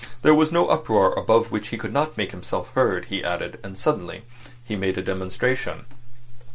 There was no uproar above which he could not make himself heard, he added; and suddenly he made a demonstration.